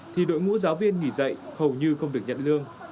thì đội ngũ giáo viên nghỉ dạy hầu như không được nhận lương